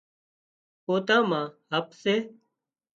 پوتان مان هپ سي